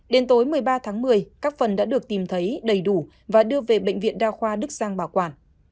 đến tối một mươi ba tháng một mươi các phần đã được tìm thấy đầy đủ và đưa về bệnh viện đa khoa đức giang bảo quản